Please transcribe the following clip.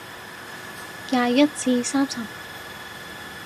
廿一至三十